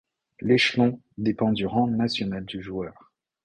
L'échelon dépend du rang national du joueur.